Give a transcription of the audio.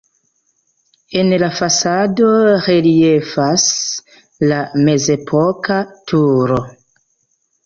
En la fasado reliefas la mezepoka turo.